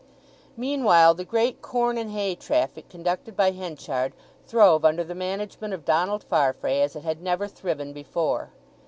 Meanwhile the great corn and hay traffic conducted by Henchard throve under the management of Donald Farfrae as it had never thriven before.